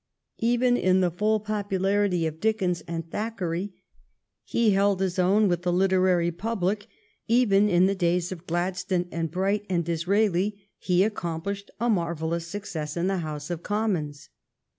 Even in the full popularity of Dickens and Thack eray he held his own with the literary public ; even in the days of Gladstone and Bright and Disraeli he accomplished a marvellous success in the House of Commons.